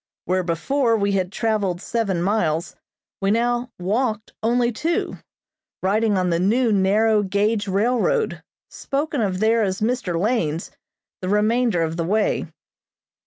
Where before we had traveled seven miles we now walked only two, riding on the new narrow gauge railroad, spoken of there as Mr. Lane's, the remainder of the way.